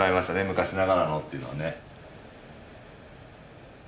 昔ながらのっていうのはね。